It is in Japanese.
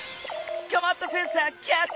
こまったセンサーキャッチ！